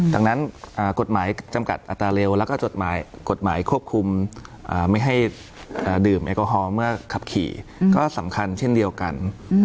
ดังนั้นกฎหมายจำกัดอัตราเร็วแล้วก็จดหมายกฎหมายควบคุมไม่ให้ดื่มแอลกอฮอล์เมื่อขับขี่ก็สำคัญเช่นเดียวกัน